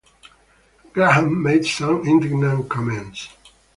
Graham made some indignant comments.